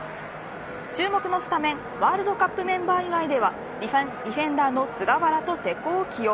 注目のスタメンワールドカップメンバー以外ではディフェンダーの菅原と瀬古を起用。